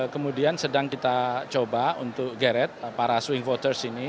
kemudian sedang kita coba untuk geret para swing voters ini